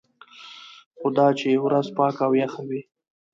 خو دا چې ورځ پاکه او یخه وي.